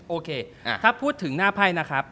โอเคถ้าพูดถึงหน้าไพ่นะครับ